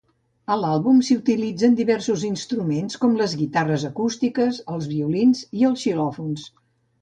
A l"àlbum s"utilitzaven diversos instruments com les guitarres acústiques, els violins i els xilòfons.